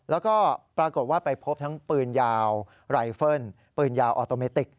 แล้วก็ปรากฏว่าไปพบทั้งปืนยาวไรเฟิลปืนยาวออโตเมติก